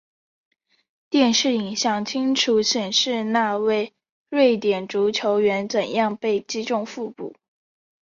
电视影像清楚显示那位瑞典足球员怎样被击中腹部。